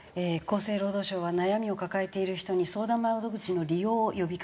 厚生労働省は悩みを抱えている人に相談窓口の利用を呼びかけております。